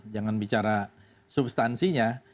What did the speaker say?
jangan bicara substansinya